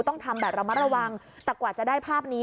ต้องทำแบบระมัดระวังแต่กว่าจะได้ภาพนี้